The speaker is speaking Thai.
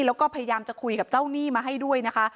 แล้วก็พยายามจะคุยกับเจ้าหนี้มาให้ด้วยนะคะ